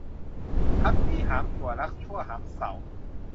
รักดีหามจั่ว รักชั่วหามเสา